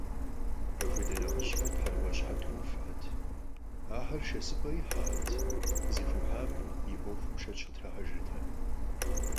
Апхуэдэ нэхъыжьхэр тхьэрыӀуэ щыхьэту увхэрт, ахэр шэсыпӀэ ихьэхэрт, зыхуихьам и Ӏуэхум шэч къытрахьэжыртэкъым.